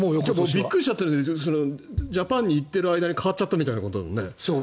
びっくりしちゃってジャパンに行ってる間に変わっちゃったみたいなね。